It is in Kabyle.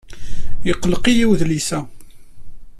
Iqelleq-iyi wedlis-a.